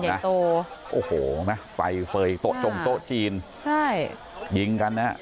ใยโตโอ้โหนะไฟเฟยโตะจงโตะจีนใช่ยิงกันน่ะ